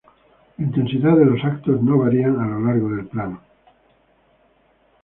La intensidad de eventos no varía a lo largo del plano.